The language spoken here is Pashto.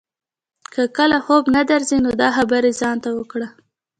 که کله خوب نه درځي نو دا خبرې ځان ته وکړه.